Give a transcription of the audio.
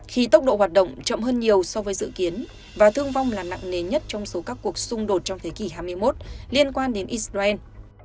khi tốc độ hoạt động chậm hơn nhiều so với dự kiến và thương vong là nặng nề nhất trong số các cuộc xung đột trong thế kỷ hai mươi một liên quan đến israel